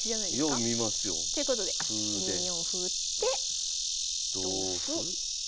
よう見ますよ。ということで２四歩打って同歩。